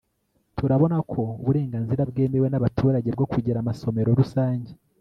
turabona ko uburenganzira bwemewe n'abaturage bwo kugira amasomero rusange